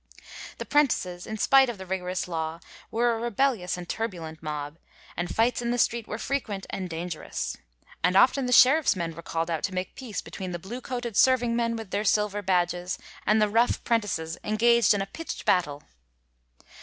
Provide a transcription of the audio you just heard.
The 'prentices, in spite of the rigorous law, were a rebellious and turbulent mob, and fights in the streets were frequent and dangerous; and often the sheriff's men were calld out to make peace between the blue coated serving men with their silver badges, and the rough 'prentices, engaged in a pitcht battle.